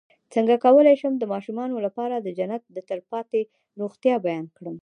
څنګه کولی شم د ماشومانو لپاره د جنت د تل پاتې روغتیا بیان کړم